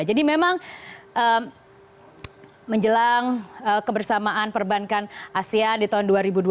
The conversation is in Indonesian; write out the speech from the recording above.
memang menjelang kebersamaan perbankan asean di tahun dua ribu dua puluh